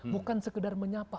bukan sekedar menyapa